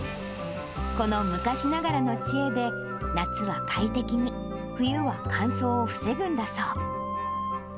この昔ながらの知恵で、夏は快適に、冬は乾燥を防ぐんだそう。